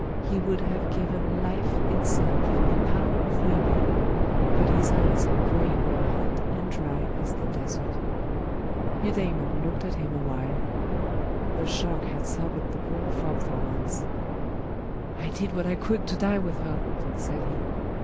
He would have given life itself for the power of weeping: but his eyes and brain were hot and dry as the desert. Eudaimon looked at him a while. The shock had sobered the poor fop for once. 'I did what I could to die with her!' said he.